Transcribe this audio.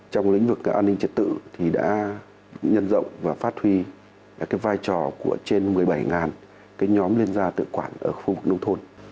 trong lĩnh vực an ninh trật tự thì đã nhân rộng và phát huy vai trò của trên một mươi bảy nhóm liên gia tự quản ở khu vực nông thôn